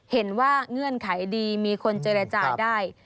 เห็นว่าเงื่อนไขดีมีคนเจรจาได้